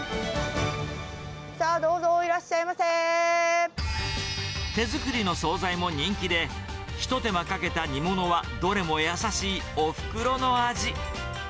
さあどうぞ、いらっしゃいま手作りの総菜も人気で、ひと手間かけた煮物はどれも優しいおふくろの味。